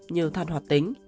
như than hoạt tính